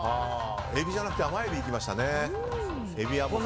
えびじゃなくて甘えびいきましたね。